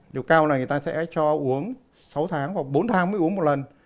liều cao này người ta sẽ cho uống sáu tháng hoặc bốn tháng mới uống một lần